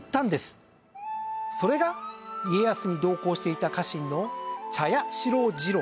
それが家康に同行していた家臣の茶屋四郎次郎。